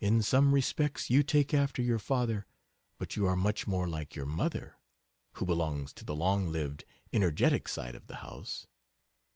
In some respects you take after your father, but you are much more like your mother, who belongs to the long lived, energetic side of the house....